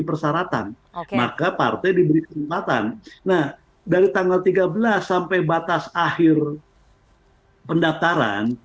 persyaratan maka partai diberi kesempatan nah dari tanggal tiga belas sampai batas akhir pendaftaran